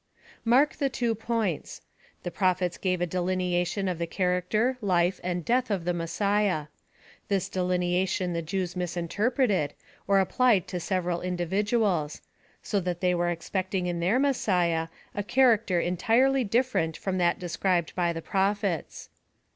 "• Mark the two points. The Prophets gave a de« hneation of the character, life, and death of the Messiah. This delineation the Jews misinterpret ed, or aoplied to several individuals ; so that they were expecting in their Messiah a character entirely diiferent from that described by the prophets.